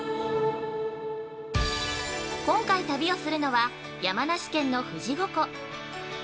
今回、旅をするのは山梨県の富士五湖。